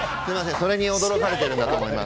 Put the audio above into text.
それに驚かれてるんだなと思います。